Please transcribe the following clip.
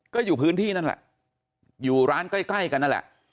ก็อยู่พื้นที่นั่นแหละอยู่ร้านใกล้กันนั่นแหละ